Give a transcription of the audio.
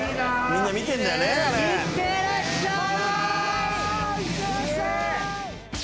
・いってらっしゃい！